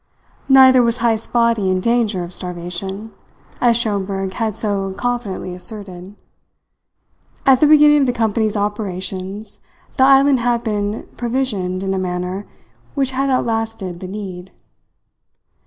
Neither was Heyst's body in danger of starvation, as Schomberg had so confidently asserted. At the beginning of the company's operations the island had been provisioned in a manner which had outlasted the need.